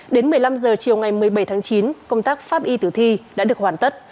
đến một mươi năm h chiều ngày một mươi bảy tháng chín công tác pháp y tử thi đã được hoàn tất